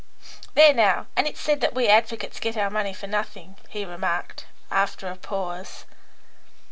"There now, and it is said that we advocates get our money for nothing," he remarked, after a pause.